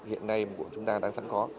hiện nay của chúng ta đang sẵn khó